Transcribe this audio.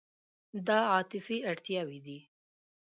دا عاطفي اړتیاوې دي.